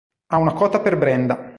Ha una cotta per Brenda.